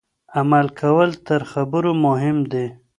عمل کول تر خبرو مهم دي.